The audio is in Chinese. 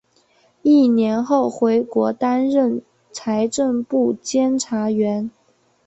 一年后回国担任财政部监察员。